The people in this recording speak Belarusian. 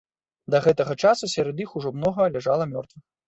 Да гэтага часу сярод іх ужо многа ляжала мёртвых.